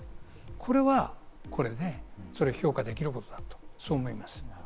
これはこれで評価できることだと思います。